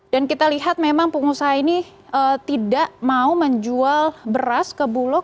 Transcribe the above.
kita lihat memang pengusaha ini tidak mau menjual beras ke bulog